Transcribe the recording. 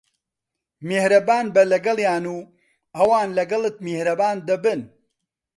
میھرەبان بە لەگەڵیان، و ئەوان لەگەڵت میھرەبان دەبن.